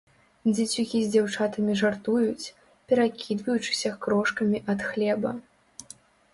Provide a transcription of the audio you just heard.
Дзецюкі з дзяўчатамі жартуюць, перакідваючыся крошкамі ад хлеба.